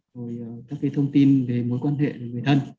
rồi các cái thông tin về mối quan hệ với người thân